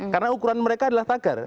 karena ukuran mereka adalah tagar